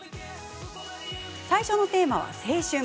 最初のテーマは青春。